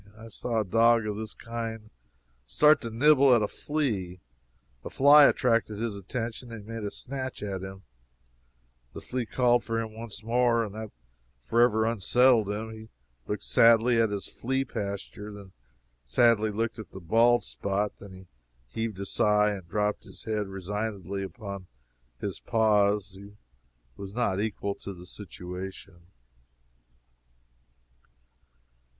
I saw a dog of this kind start to nibble at a flea a fly attracted his attention, and he made a snatch at him; the flea called for him once more, and that forever unsettled him; he looked sadly at his flea pasture, then sadly looked at his bald spot. Then he heaved a sigh and dropped his head resignedly upon his paws. He was not equal to the situation.